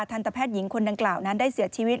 ทันตแพทย์หญิงคนดังกล่าวนั้นได้เสียชีวิต